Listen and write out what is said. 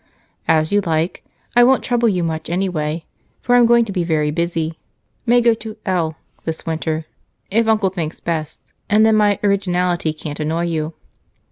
"As you like. I won't trouble you much anyway, for I'm going to be very busy. May go to L this winter, if Uncle thinks best, and then my 'originality' can't annoy you."